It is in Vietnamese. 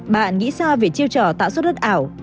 bạn nghĩ sao về chiêu trò tạo xuất đất ảo